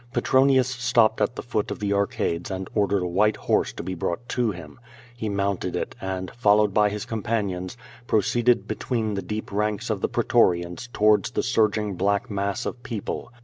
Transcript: Petronius stopped at the foot of the Arcades and ordered a white horse to be brought to him. He mounted it and, followed by liis companions, proceeded between the deep ^ QVO VADI8. ranks of the pretorians towards the surging black mass of people.